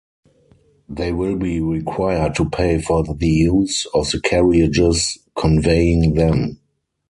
They will be required to pay for the use of the carriages conveying them.